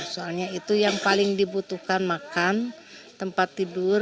soalnya itu yang paling dibutuhkan makan tempat tidur